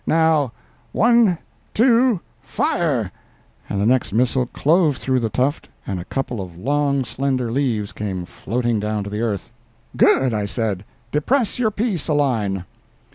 Now—one, two, fire!" and the next missile clove through the tuft and a couple of long, slender leaves came floating down to the earth. "Good!" I said, "depress your piece a line."